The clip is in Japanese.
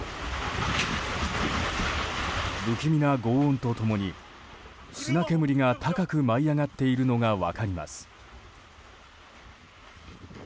不気味なごう音と共に砂煙が高く舞い上がっているのが分かります。